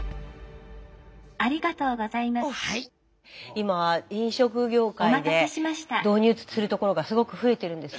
今飲食業界で導入するところがすごく増えてるんです。